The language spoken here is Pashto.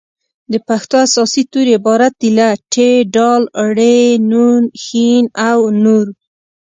د پښتو اساسي توري عبارت دي له : ټ ډ ړ ڼ ښ او نور